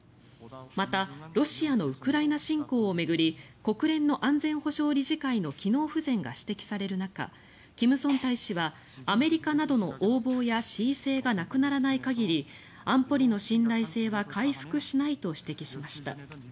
また、ロシアのウクライナ侵攻を巡り国連の安全保障理事会の機能不全が指摘される中キム・ソン大使はアメリカなどの横暴や恣意性がなくならない限り安保理の信頼性は回復しないと指摘しました。